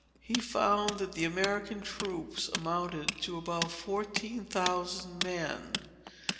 He found that the American troops amounted to about fourteen thousand men.